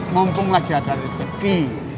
mumpunglah jatah di tepi